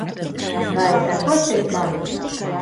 Vai sekosiet man?